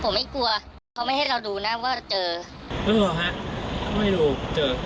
ผมไม่กลัวเขาไม่ให้เราดูนะว่าเจอไม่รู้หรอฮะเขาไม่ให้ดูเจอ